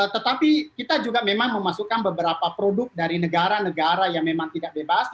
tetapi kita juga memang memasukkan beberapa produk dari negara negara yang memang tidak bebas